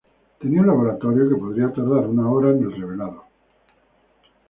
Tenía un laboratorio que podría tardar una hora en el revelado.